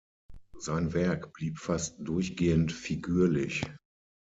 Sein Werk blieb fast durchgehend figürlich.